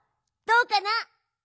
どうかな？